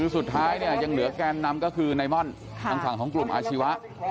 สุดท้ายเนี่ยยังเหลือแกนนำก็คือไนม่อนทางฝั่งของกลุ่มอาชีวะ